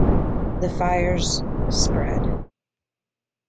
The fires spread.